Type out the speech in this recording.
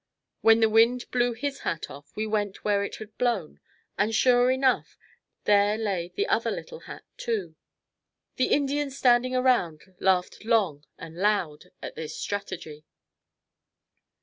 When the wind blew his hat off we went where it had blown and sure enough, there lay the other little hat too. The Indians standing around laughed long and loud at this strategy.